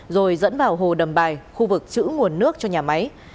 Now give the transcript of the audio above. rồi dẫn vào hồ đầm bài khu vực chữ nguồn nước cho nhà máy